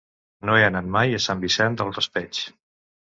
No he anat mai a Sant Vicent del Raspeig.